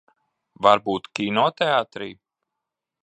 Varbūt kinoteātrī?